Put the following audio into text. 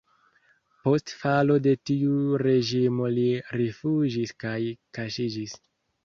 Post falo de tiu reĝimo li rifuĝis kaj kaŝiĝis.